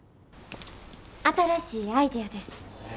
新しいアイデアです。